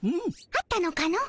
あったのかの？